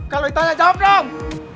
kalau ditanya jawab dong